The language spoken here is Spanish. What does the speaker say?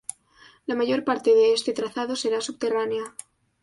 La mayor parte de este trazado será subterránea.